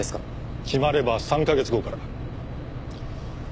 決まれば３カ月後から。